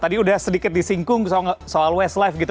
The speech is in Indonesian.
tadi sudah sedikit disingkung soal westlife gitu